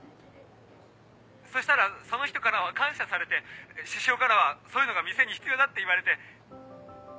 そしたらその人からは感謝されて獅子王からはそういうのが店に必要だって言われて。